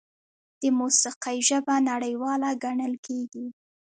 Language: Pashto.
د موسیقۍ ژبه نړیواله ګڼل کېږي.